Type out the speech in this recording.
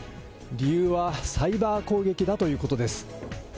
理由はサイバー攻撃だということです。